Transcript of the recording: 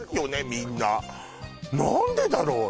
みんな何でだろう？